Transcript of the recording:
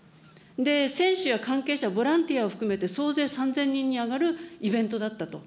選手や関係者、ボランティアを含めて総勢３０００人に上がるイベントだったと。